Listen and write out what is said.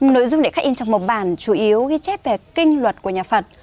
nội dung để khắc in trong mộc bản chủ yếu ghi chép về kinh luật của nhà phật